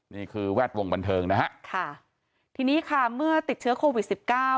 นี่คือแวดวงบันเทิงนะฮะค่ะทีนี้ค่ะเมื่อติดเชื้อโควิดสิบเก้า